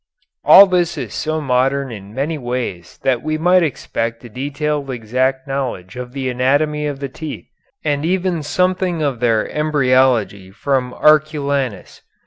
All this is so modern in many ways that we might expect a detailed exact knowledge of the anatomy of the teeth and even something of their embryology from Arculanus.